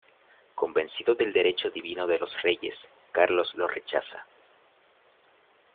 Convencido del derecho divino de los reyes, Carlos lo rechaza.